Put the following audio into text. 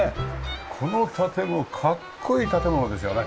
この建物かっこいい建物ですよね。